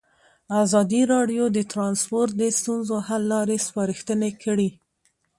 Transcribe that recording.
ازادي راډیو د ترانسپورټ د ستونزو حل لارې سپارښتنې کړي.